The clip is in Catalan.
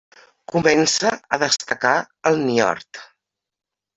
Comença a destacar al Niort.